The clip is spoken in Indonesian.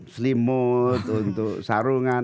slim mood untuk sarungan